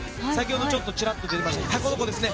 先ほどちょっとちらっと出ましたけど。